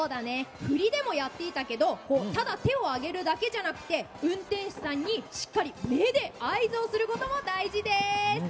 振りでもやっていたけどただ手を上げるだけじゃなくて運転手さんにしっかり目で合図をすることも大事です。